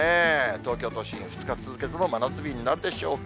東京都心、２日続けての真夏日になるでしょうか。